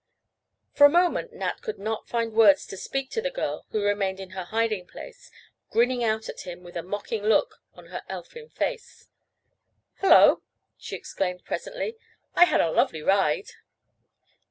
For a moment Nat could not find words to speak to the girl, who remained in her hiding place, grinning out at him with a mocking look on her elfin face. "Hello!" she exclaimed presently. "I had a lovely ride."